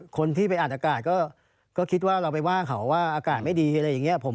คนที่ไปอัดอากาศก็คิดว่าเราไปว่าเขาว่าอากาศไม่ดีอะไรอย่างนี้